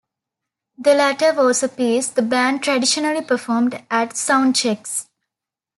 The latter was a piece the band traditionally performed at soundchecks.